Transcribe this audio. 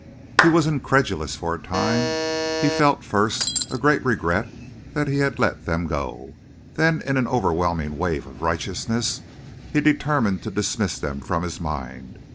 He was incredulous for a time. He felt, first, a great regret that he had let them go. Then, in an overwhelming wave of righteousness, he determined to dismiss them from his mind.